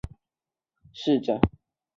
马里邦杜是巴西阿拉戈斯州的一个市镇。